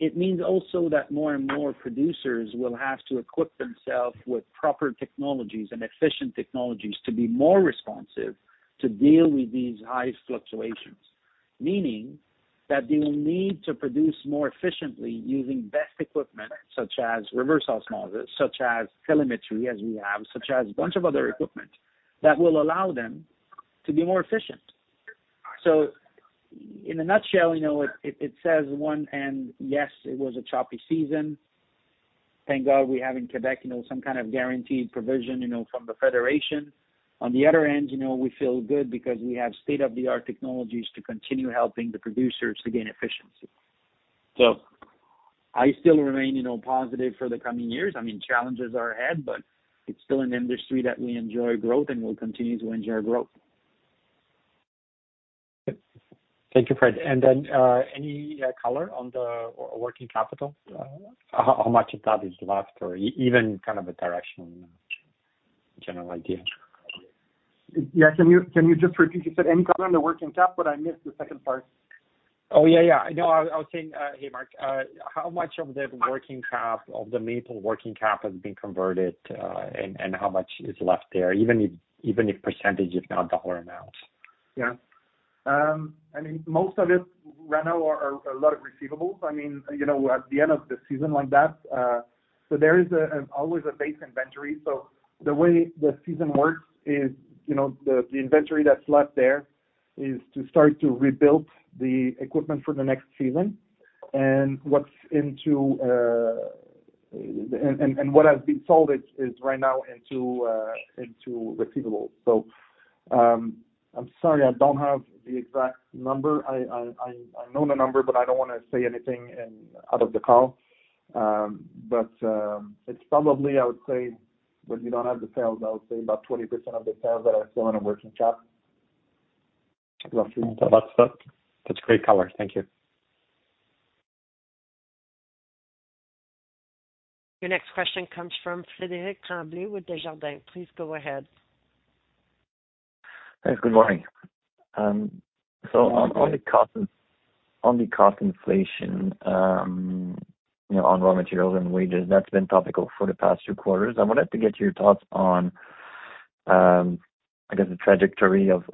it means also that more and more producers will have to equip themselves with proper technologies and efficient technologies to be more responsive to deal with these high fluctuations. Meaning that they will need to produce more efficiently using best equipment such as reverse osmosis, such as telemetry, as we have, such as a bunch of other equipment that will allow them to be more efficient. In a nutshell, you know, it says one, and yes, it was a choppy season. Thank God we have in Quebec, you know, some kind of guaranteed provision, you know, from the federation. On the other end, you know, we feel good because we have state-of-the-art technologies to continue helping the producers to gain efficiency. I still remain, you know, positive for the coming years. I mean, challenges are ahead, but it's still an industry that we enjoy growth and will continue to enjoy growth. Thank you, Fred. Any color on the working capital? How much of that is left or even kind of a directional general idea? Yeah. Can you just repeat? You said any color on the working cap, but I missed the second part. Oh, yeah. No, I was saying, hey Marc, how much of the working cap, of the maple working cap has been converted, and how much is left there? Even if percentage, if not dollar amount. Yeah. I mean, most of it right now are a lot of receivables. I mean, you know, at the end of the season like that, there is always a base inventory. The way the season works is, you know, the inventory that's left there is to start to rebuild the equipment for the next season. What has been sold is right now into receivables. I'm sorry, I don't have the exact number. I know the number, but I don't wanna say anything out of the call. It's probably, I would say, when you don't have the sales, I would say about 20% of the sales that are still on a working cap, roughly. That's great color. Thank you. Your next question comes from Frederic Tremblay with Desjardins. Please go ahead. Thanks. Good morning. On the cost inflation, you know, on raw materials and wages, that's been topical for the past two quarters. I wanted to get your thoughts on, I guess the trajectory of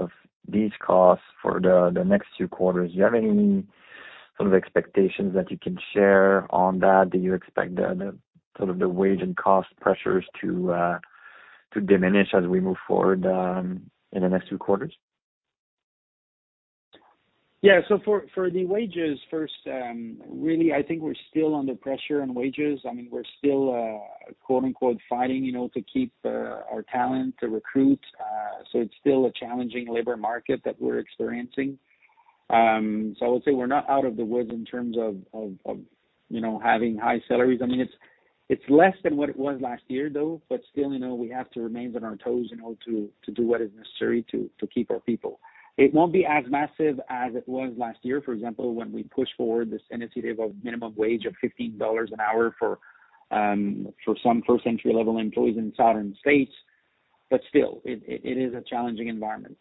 these costs for the next two quarters. Do you have any sort of expectations that you can share on that? Do you expect the sort of the wage and cost pressures to diminish as we move forward, in the next two quarters? Yeah. For the wages first, really, I think we're still under pressure on wages. I mean, we're still, quote-unquote, fighting, you know, to keep our talent, to recruit. It's still a challenging labor market that we're experiencing. I would say we're not out of the woods in terms of, you know, having high salaries. I mean, it's less than what it was last year, though, still, you know, we have to remain on our toes, you know, to do what is necessary to keep our people. It won't be as massive as it was last year, for example, when we pushed forward this initiative of minimum wage of $15 an hour for some first-entry level employees in southern states. Still, it is a challenging environment.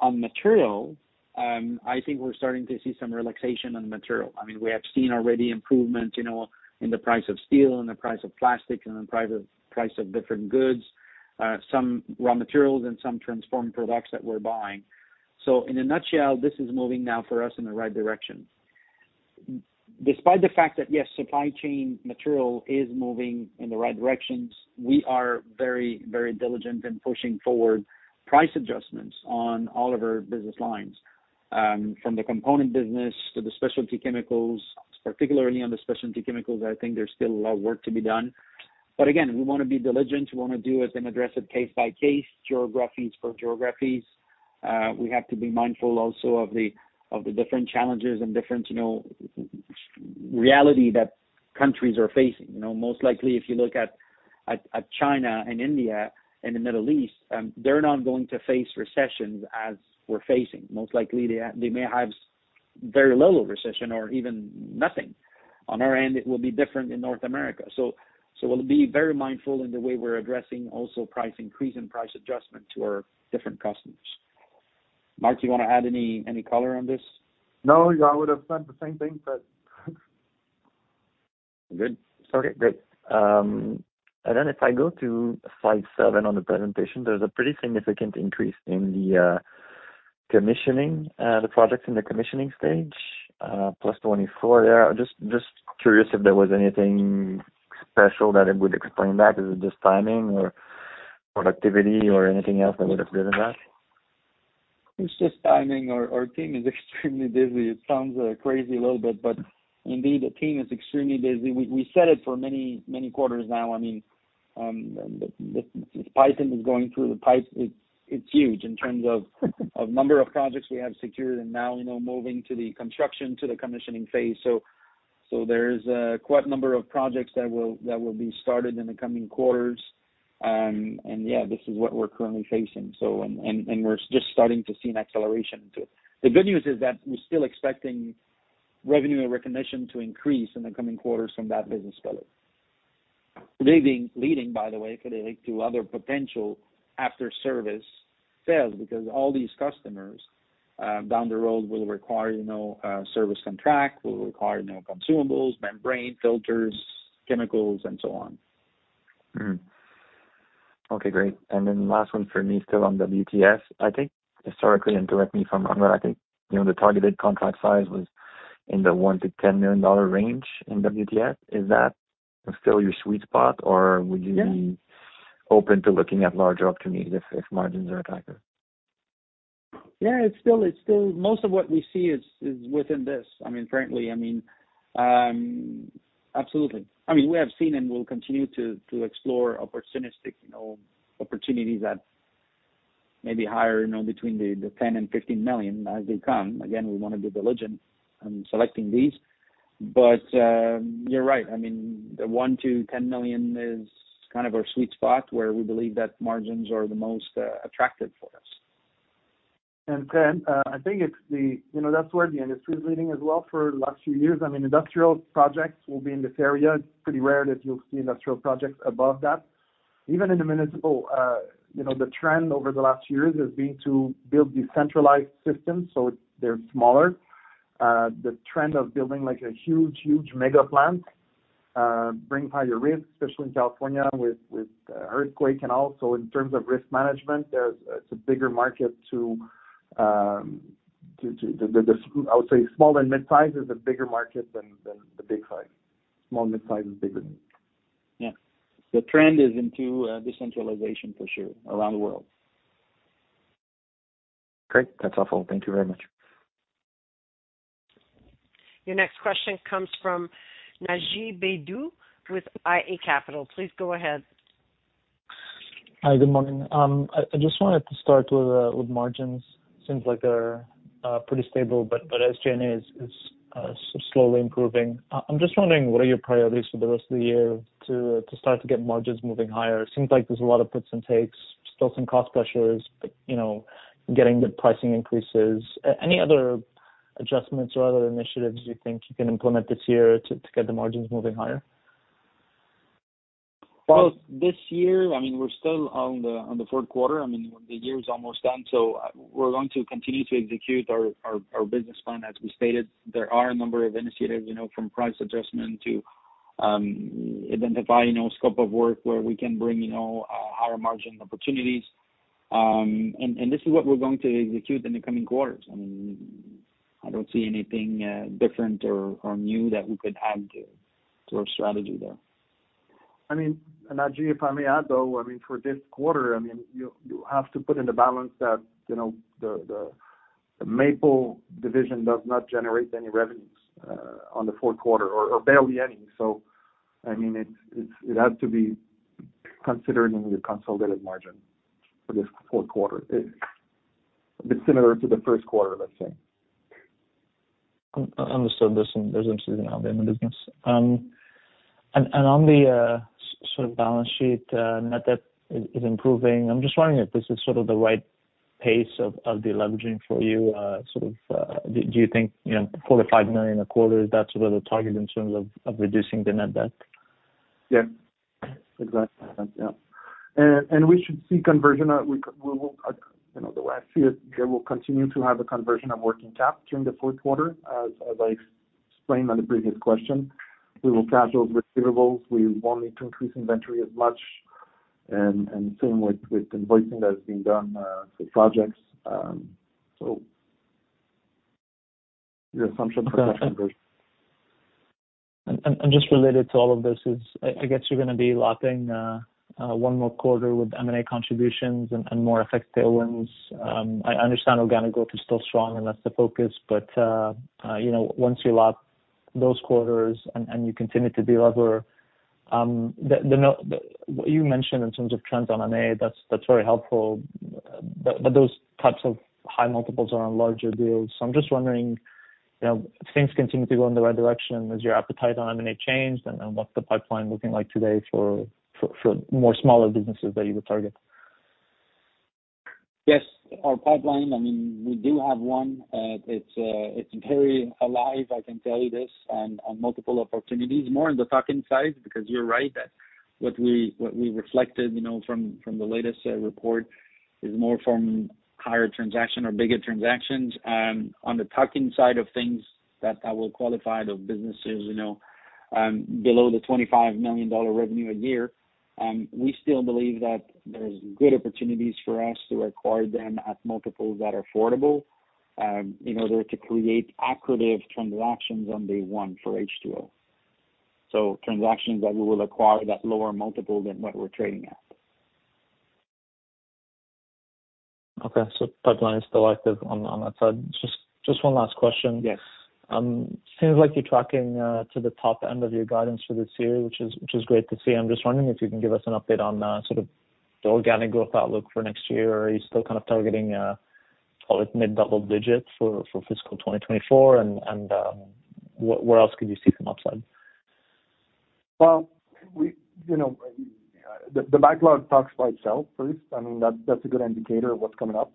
On material, I think we're starting to see some relaxation on material. I mean, we have seen already improvement, you know, in the price of steel and the price of plastic and in price of different goods, some raw materials and some transformed products that we're buying. In a nutshell, this is moving now for us in the right direction. Despite the fact that, yes, supply chain material is moving in the right directions, we are very, very diligent in pushing forward price adjustments on all of our business lines, from the component business to the specialty chemicals. Particularly on the specialty chemicals, I think there's still a lot of work to be done. Again, we wanna be diligent. We wanna do as an aggressive case-by-case geographies for geographies. We have to be mindful also of the different challenges and different, you know, reality that countries are facing. You know, most likely, if you look at China and India and the Middle East, they're not going to face recessions as we're facing. Most likely, they may have very little recession or even nothing. On our end, it will be different in North America. We'll be very mindful in the way we're addressing also price increase and price adjustment to our different customers. Marc, you wanna add any color on this? No, I would've said the same thing, Fred. Good. Sorry. Great. Then if I go to slide seven on the presentation, there's a pretty significant increase in the commissioning, the projects in the commissioning stage, plus 24 there. Just curious if there was anything special that it would explain that. Is it just timing or productivity or anything else that would have driven that? It's just timing. Our team is extremely busy. It sounds crazy a little bit, but indeed the team is extremely busy. We said it for many quarters now. I mean, the python is going through the pipe. It's huge in terms of number of projects we have secured and now, you know, moving to the construction to the commissioning phase. There's quite a number of projects that will be started in the coming quarters. And yeah, this is what we're currently facing. And we're just starting to see an acceleration to it. The good news is that we're still expecting revenue and recognition to increase in the coming quarters from that business development. Leading, by the way, could it lead to other potential after service sales? All these customers, down the road will require, you know, service contract, will require, you know, consumables, membrane filters, chemicals and so on. Mm-hmm. Okay, great. Then last one for me, still on WTS. I think historically, and correct me if I'm wrong, but I think, you know, the targeted contract size was in the 1 million-10 million dollar range in WTS. Is that still your sweet spot? Or would you? Yeah. be open to looking at larger opportunities if margins are attractive? Yeah. It's still most of what we see is within this. I mean, frankly, I mean, absolutely. I mean, we have seen and will continue to explore opportunistic, you know, opportunities that may be higher, you know, between 10 million-15 million as they come. Again, we wanna be diligent in selecting these. You're right. I mean, the 1 million-10 million is kind of our sweet spot where we believe that margins are the most attractive for us. Ken, I think it's the. You know, that's where the industry is leading as well for the last few years. I mean, industrial projects will be in this area. It's pretty rare that you'll see industrial projects above that. Even in the municipal, you know, the trend over the last years has been to build decentralized systems, so they're smaller. The trend of building like a huge mega plant, bring higher risk, especially in California with earthquake and also in terms of risk management, it's a bigger market. I would say small and mid-size is a bigger market than the big size. Small and mid-size is bigger. Yeah. The trend is into decentralization for sure around the world. Great. That's all folks. Thank you very much. Your next question comes from Naji Baydoun with iA Capital. Please go ahead. Hi. Good morning. I just wanted to start with margins. Seems like they're pretty stable, but as G&A is slowly improving. I'm just wondering, what are your priorities for the rest of the year to start to get margins moving higher? It seems like there's a lot of puts and takes, still some cost pressures, but, you know, getting good pricing increases. Any other adjustments or other initiatives you think you can implement this year to get the margins moving higher? Well, this year, I mean, we're still on the fourth quarter. I mean, the year is almost done. We're going to continue to execute our business plan. As we stated, there are a number of initiatives, you know, from price adjustment to identifying, you know, scope of work where we can bring, you know, higher margin opportunities. This is what we're going to execute in the coming quarters. I mean, I don't see anything different or new that we could add to our strategy there. I mean, Naji, if I may add, though, I mean, for this quarter, I mean, you have to put in the balance that, you know, the Maple division does not generate any revenues on the fourth quarter or barely any. I mean, it has to be considered in the consolidated margin for this fourth quarter. It's similar to the first quarter, let's say. Understood. There's some seasonality in the business. On the sort of balance sheet, net debt is improving. I'm just wondering if this is sort of the right pace of deleveraging for you. Sort of, do you think, you know, 4 million-5 million a quarter, is that sort of the target in terms of reducing the net debt? Yeah. Exactly. Yeah. We should see conversion. We will, you know, the last few years, we will continue to have a conversion of working cap during the fourth quarter, as I explained on the previous question. We will capture those receivables. We won't need to increase inventory as much. Same with invoicing that is being done for projects. Your assumption for that conversion. Just related to all of this is I guess you're gonna be lapping one more quarter with M&A contributions and more effective tailwinds. I understand organic growth is still strong and that's the focus. You know, once you lap those quarters and you continue to delever, what you mentioned in terms of trends on M&A, that's very helpful. But those types of high multiples are on larger deals. I'm just wondering, you know, if things continue to go in the right direction, has your appetite on M&A changed? What's the pipeline looking like today for more smaller businesses that you would target? Yes. Our pipeline, I mean, we do have one. It's very alive, I can tell you this, on multiple opportunities. More in the tuck-in size because you're right that. What we reflected, you know, from the latest report is more from higher transaction or bigger transactions. On the tuck-in side of things that, I will qualify the businesses, you know, below the 25 million dollar revenue a year, we still believe that there's good opportunities for us to acquire them at multiples that are affordable, in order to create accretive transactions on day one for H2O. Transactions that we will acquire at lower multiple than what we're trading at. Okay. pipeline is still active on that side. Just one last question. Yes. Seems like you're tracking to the top end of your guidance for this year, which is great to see. I'm just wondering if you can give us an update on sort of the organic growth outlook for next year. Are you still kind of targeting call it mid-double digits for fiscal 2024? Where else could you see some upside? Well, you know, the backlog talks by itself, first. I mean, that's a good indicator of what's coming up.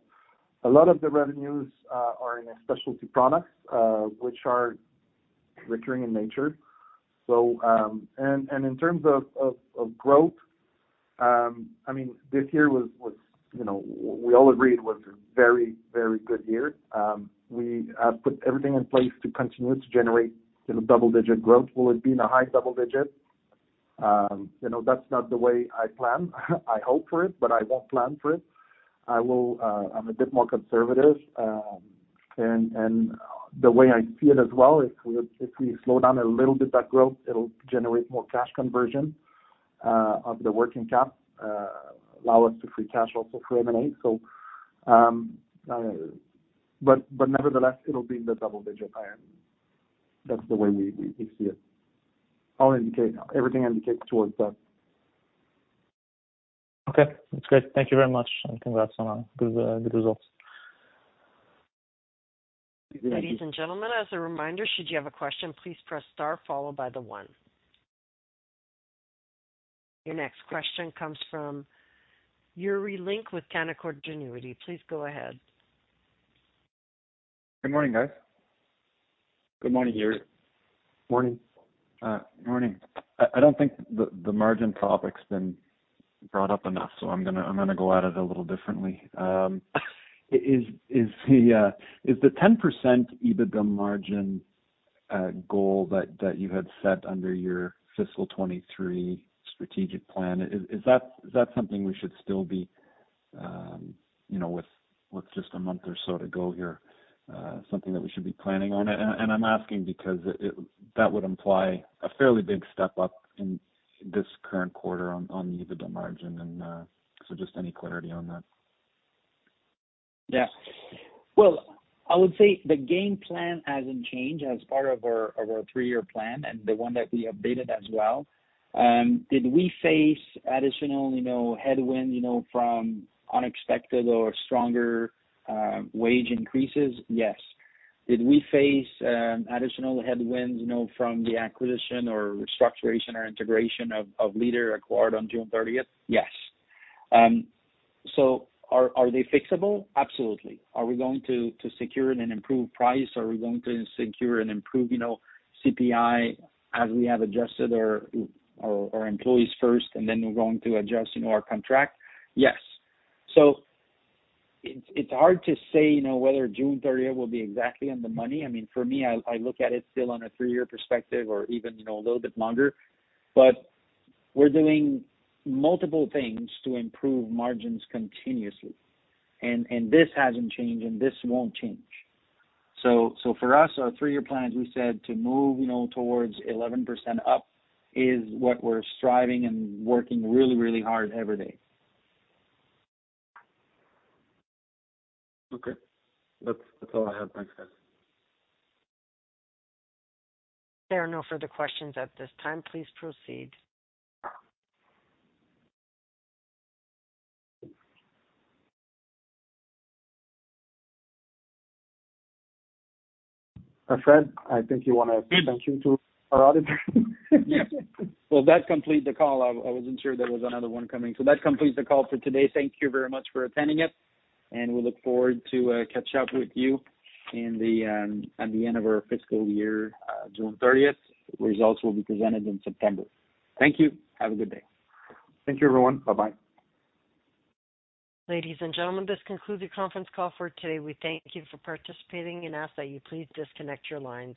A lot of the revenues are in specialty products, which are recurring in nature. I mean, this year was, you know, we all agree it was a very good year. We put everything in place to continue to generate, you know, double-digit growth. Will it be in the high double digit? You know, that's not the way I plan. I hope for it, but I won't plan for it. I'm a bit more conservative. The way I see it as well is if we slow down a little bit that growth, it'll generate more cash conversion, of the working cap, allow us to free cash also for M&A. But nevertheless, it'll be in the double digit, I mean. That's the way we see it. Everything indicates towards that. Okay. That's great. Thank you very much, and congrats on good good results. Thank you. Ladies and gentlemen, as a reminder, should you have a question, please press star followed by the one. Your next question comes from Yuri Lynk with Canaccord Genuity. Please go ahead. Good morning, guys. Good morning, Yuri. Morning. Morning. I don't think the margin topic's been brought up enough, so I'm gonna go at it a little differently. Is the 10% EBITDA margin goal that you had set under your fiscal 23 strategic plan, is that something we should still be, you know, with just a month or so to go here, something that we should be planning on? I'm asking because that would imply a fairly big step up in this current quarter on the EBITDA margin. Just any clarity on that? Yeah. Well, I would say the game plan hasn't changed as part of our three-year plan and the one that we updated as well. Did we face additional, you know, headwind, you know, from unexpected or stronger wage increases? Yes. Did we face additional headwinds, you know, from the acquisition or restructuring or integration of LEADER acquired on June 30th? Yes. Are they fixable? Absolutely. Are we going to secure an improved price? Are we going to secure an improved, you know, CPI as we have adjusted our employees first, and then we're going to adjust, you know, our contract? Yes. It's hard to say, you know, whether June 30th will be exactly on the money. I mean, for me, I look at it still on a three-year perspective or even, you know, a little bit longer. We're doing multiple things to improve margins continuously. This hasn't changed, and this won't change. For us, our three-year plan, as we said, to move, you know, towards 11% up is what we're striving and working really, really hard every day. That's, that's all I have. Thanks, guys. There are no further questions at this time. Please proceed. Fred, I think you wanna thank you to our audience. Yeah. Well, that completes the call. I wasn't sure there was another one coming. That completes the call for today. Thank you very much for attending it, and we look forward to catch up with you in the at the end of our fiscal year, June thirtieth. Results will be presented in September. Thank you. Have a good day. Thank you, everyone. Bye-bye. Ladies and gentlemen, this concludes the conference call for today. We thank you for participating and ask that you please disconnect your lines.